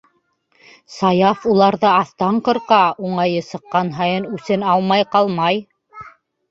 Саяф уларҙы аҫтан ҡырҡа, уңайы сыҡҡан һайын үсен алмай ҡалмай.